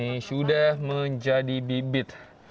ini sudah menjadi bibit